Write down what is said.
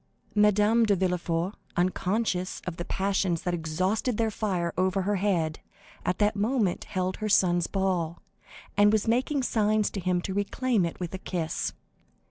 Madame de Villefort, unconscious of the passions that exhausted their fire over her head, at that moment held her son's ball, and was making signs to him to reclaim it with a kiss.